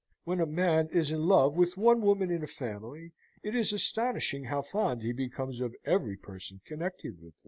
When a man is in love with one woman in a family, it is astonishing how fond he becomes of every person connected with it.